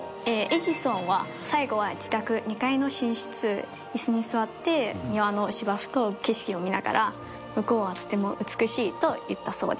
エジソンは最期は自宅２階の寝室椅子に座って庭の芝生と景色を見ながら「向こうはとても美しいと」言ったそうです。